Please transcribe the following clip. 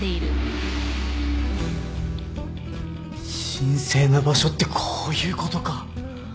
神聖な場所ってこういうことか。